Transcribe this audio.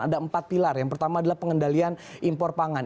ada empat pilar yang pertama adalah pengendalian impor pangan